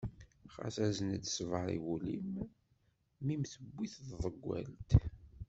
Ɣas azen-d ṣṣber i wul-im, mmi-m tewwi-t tḍeggalt.